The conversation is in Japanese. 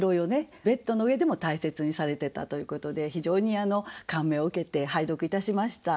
ベッドの上でも大切にされてたということで非常に感銘を受けて拝読いたしました。